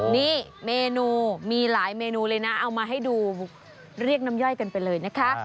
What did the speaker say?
นี่เมนูมีหลายเมนูเลยนะเอามาให้ดูเรียกน้ำย่อยกันไปเลยนะคะ